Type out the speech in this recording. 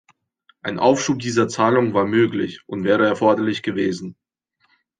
Ein Aufschub dieser Zahlung war möglich und wäre erforderlich gewesen.